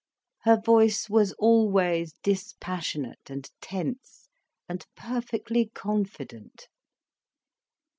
Her voice was always dispassionate and tense, and perfectly confident.